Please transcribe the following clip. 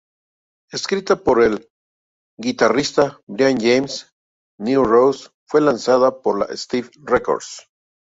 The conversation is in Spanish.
Escrita por el guitarrista Brian James, "New Rose" fue lanzada por la Stiff Records.